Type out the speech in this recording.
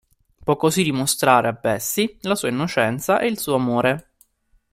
Può così dimostrare a Bessie la sua innocenza e il suo amore.